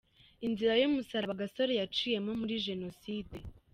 Inzira y’umusaraba Gasore yaciyemo muri Jenoside.